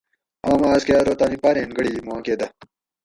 آم آۤس کہ ارو تانی پارین گۤڑی ما کہ دہ